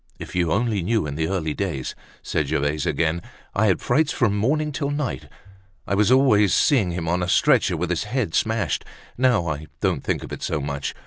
"If you only knew, in the early days," said Gervaise again, "I had frights from morning till night. I was always seeing him on a stretcher, with his head smashed. Now, I don't think of it so much.